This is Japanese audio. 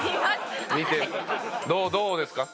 どうですか？